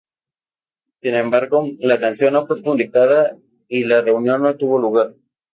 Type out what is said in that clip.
Sin embargo, la canción no fue publicada y la reunión no tuvo lugar.